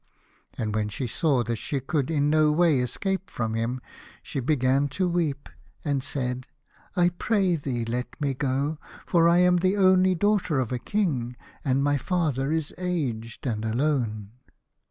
And when she saw that she could in no way escape from him, she began to weep, and said, " I pray thee let me go, for I am the only daughter of a King, and my father is aged and alone."